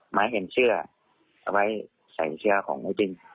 ไม้เห็นเชื่อเอาไว้ใส่เชื่อของไอ้จริง